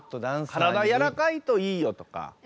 体やわらかいといいよとか。